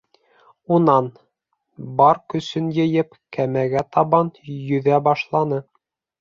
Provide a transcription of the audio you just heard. Унан, бар көсөн йыйып, кәмәгә табан йөҙә башланы.